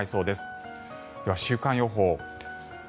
では週間予報。